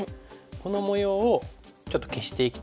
この模様をちょっと消していきたい。